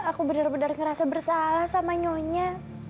aku benar benar ngerasa bersalah sama nyonya